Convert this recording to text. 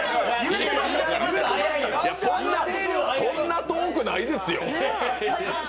そんな遠くないですよ。